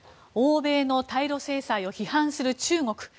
欧米の対露制裁を批判する中国。